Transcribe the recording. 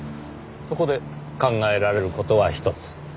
そこで考えられる事は一つ。